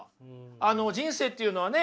あの人生っていうのはね